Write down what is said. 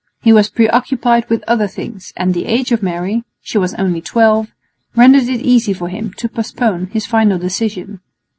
He was preoccupied with other things, and the age of Mary she was only twelve rendered it easy for him to postpone his final decision.